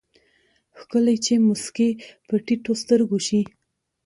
ښکلے چې مسکې په ټيټو سترګو شي